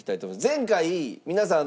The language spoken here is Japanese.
前回皆さん